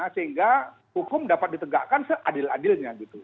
sehingga hukum dapat ditegakkan seadil adilnya gitu